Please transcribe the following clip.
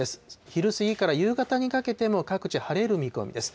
昼過ぎから夕方にかけても、各地、晴れる見込みです。